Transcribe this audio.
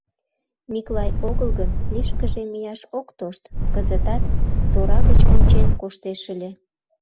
Миклай огыл гын, лишкыже мияш ок тошт, кызытат тора гыч ончен коштеш ыле.